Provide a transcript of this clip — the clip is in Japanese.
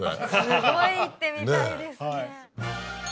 すごい行ってみたいですね。